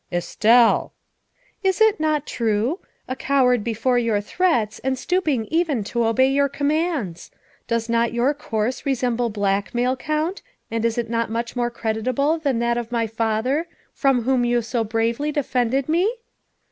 " Estelle!" "Is it not true? A coward before your threats and stooping even to obey your commands. Does not your course resemble blackmail, Count, and is it much more creditable than that of my father, from whom you so bravely defended me?